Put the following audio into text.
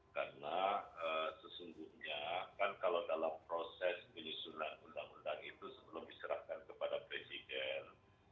karena sesungguhnya kan kalau dalam proses penyusunan undang undang itu sebelum diserahkan kepada presiden